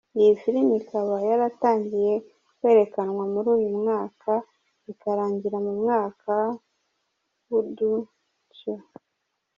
Iyi film ikaba yaratangiye kwerekanwa muri uyu mwaka ikarangira mu mwaka w’ n’uduce ,.